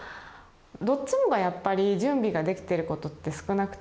どっちもがやっぱり準備ができてることって少なくて。